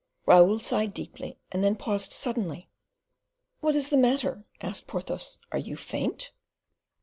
Raoul sighed deeply, and then paused suddenly. "What is the matter?" asked Porthos; "are you faint?"